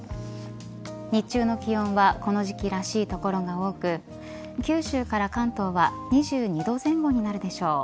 日中の気温はこの時期らしい所が多く九州から関東は２２度前後になるでしょう。